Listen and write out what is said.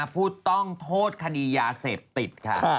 ผู้ต้องโทษคดียาเสพติดค่ะ